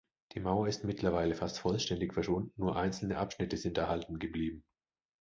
Die Mauer ist mittlerweile fast vollständig verschwunden, nur einzelne Abschnitte sind erhalten geblieben.